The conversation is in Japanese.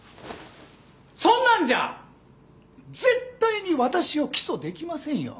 そんなんじゃ絶対に私を起訴できませんよ。